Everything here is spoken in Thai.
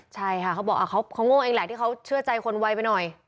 ใช่ค่ะเขาบอกเขาโง่เองแหละที่เขาเชื่อใจคนไวไปหน่อย